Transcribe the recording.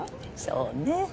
そうね。